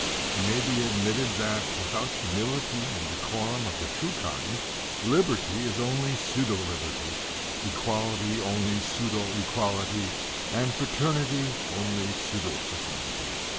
It may be admitted that, without humility and decorum of the true kind, liberty is only pseudo liberty, equality only pseudo equality, and fraternity only pseudo fraternity.